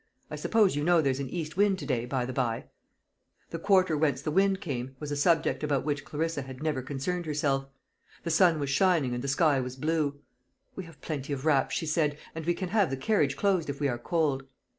I suppose you know there's an east wind to day, by the bye." The quarter whence the wind came, was a subject about which Clarissa had never concerned herself. The sun was shining, and the sky was blue. "We have plenty of wraps," she said, "and we can have the carriage closed if we are cold."